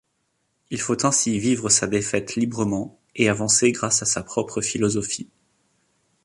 Il faut ainsi vivre sa défaite librement et avancer grâce à sa propre philosophie.